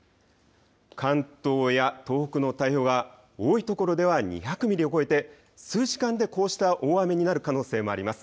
関東や東北の太平洋側、多いところでは２００ミリを超えて数時間でこうした大雨になる可能性もあります。